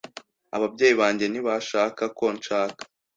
Ababyeyi banjye ntibashaka ko nshaka.